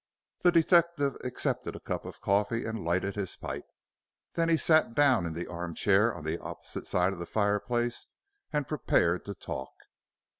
The detective accepted a cup of coffee and lighted his pipe. Then he sat down in the arm chair on the opposite side of the fireplace and prepared to talk.